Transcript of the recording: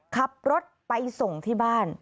ขับรถไปส่งที่บ้าน